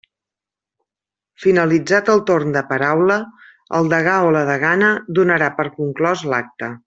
Finalitzat el torn de paraula, el degà o la degana donarà per conclòs l'acte.